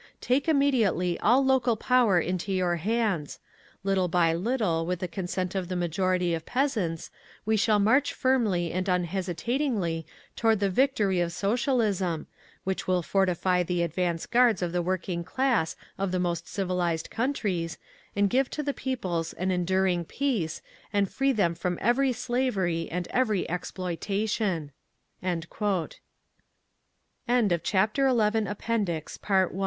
"Take immediately all local power into your hands…. Little by little, with the consent of the majority of peasants, we shall march firmly and unhesitatingly toward the victory of Socialism, which will fortify the advance guards of the working class of the most civilised Countries, and give to the peoples an enduring peace, and free them from every slavery and every exploitation." 13. "To All Workers of Petrograd! "Comrades!